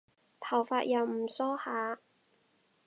頭髮又唔梳下